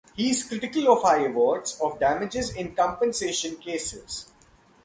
He is critical of high awards of damages in compensation cases.